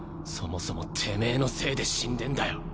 そもそもてめぇのせいで死んでんだよ。